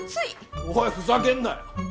おいふざけるなよ！